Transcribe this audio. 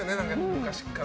昔から。